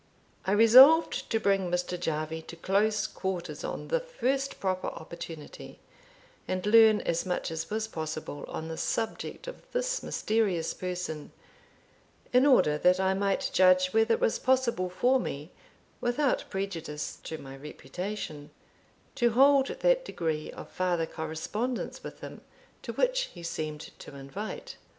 I resolved to bring Mr. Jarvie to close quarters on the first proper opportunity, and learn as much as was possible on the subject of this mysterious person, in order that I might judge whether it was possible for me, without prejudice to my reputation, to hold that degree of farther correspondence with him to which he seemed to invite.